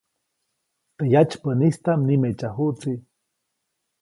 Teʼ yatsypäʼnistaʼm nimeʼtsyajuʼtsi.